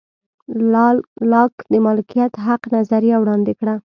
لاک د مالکیت حق نظریه وړاندې کړه.